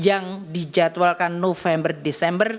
yang dijadwalkan november desember